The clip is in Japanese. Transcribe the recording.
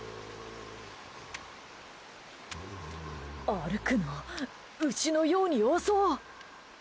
歩くの、牛のように遅っ！